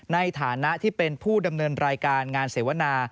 ในฐานะที่เป็นผู้ดำเนินรายการงานเสวนา